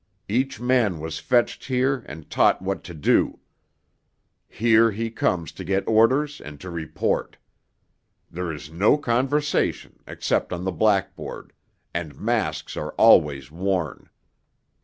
Each man was fetched here and taught what to do. Here he comes to get orders and to report. There is no conversation except on the blackboard; and masks are always worn.